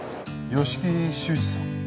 吉木修二さん